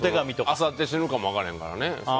あさって死ぬかも分からへんからね。